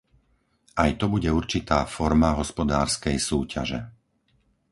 Aj to bude určitá forma hospodárskej súťaže.